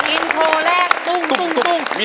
อินโทรแรกตุ้ง